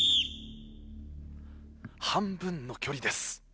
半分の距離です。